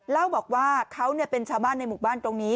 เล่าบอกว่าเขาเป็นชาวบ้านในหมู่บ้านตรงนี้